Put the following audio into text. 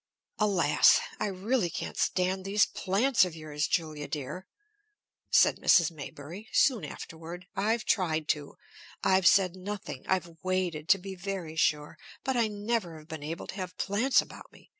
Alas! "I really can't stand these plants of yours, Julia, dear," said Mrs. Maybury, soon afterward. "I've tried to. I've said nothing. I've waited, to be very sure. But I never have been able to have plants about me.